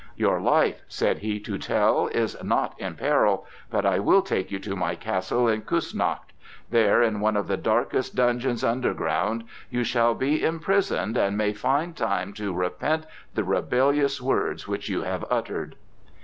"Your life," said he to Tell, "is not in peril; but I will take you to my castle in Kuessnacht; there in one of the darkest dungeons underground you shall be imprisoned, and may find time to repent the rebellious words which you have uttered!"